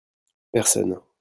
personne.